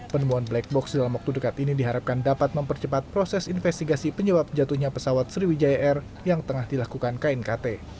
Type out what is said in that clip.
penemuan black box dalam waktu dekat ini diharapkan dapat mempercepat proses investigasi penyebab jatuhnya pesawat sriwijaya air yang tengah dilakukan knkt